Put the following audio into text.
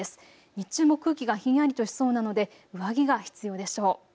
日中も空気がひんやりとしそうなので上着が必要でしょう。